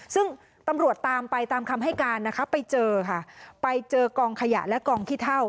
ซึ่งตำรวจตามไปตามคำให้การนะคะไปเจอค่ะไปเจอกองขยะและกองขี้เท่า